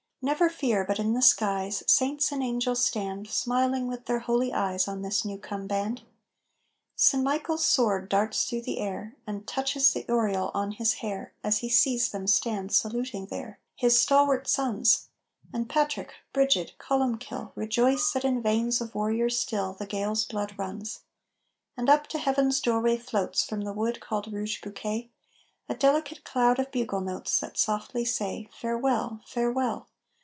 Never fear but in the skies Saints and angels stand Smiling with their holy eyes On this new come band. St. Michael's sword darts through the air And touches the aureole on his hair As he sees them stand saluting there, His stalwart sons: And Patrick, Brigid, Columkill Rejoice that in veins of warriors still The Gael's blood runs. And up to Heaven's doorway floats, From the wood called Rouge Bouquet, A delicate cloud of bugle notes That softly say: "Farewell! Farewell!